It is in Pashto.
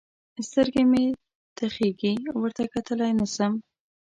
سترګې مې تخېږي؛ ورته کتلای نه سم.